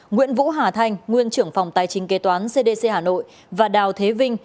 nguyễn vũ hà thanh nguyên trưởng phòng tài chính kế toán cdc hà nội và đào thế vinh